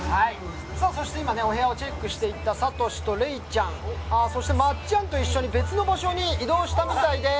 そして今、お部屋をチェックしていた慧と礼ちゃん、そしてまっちゃんと一緒に別の場所に移動したみたいです。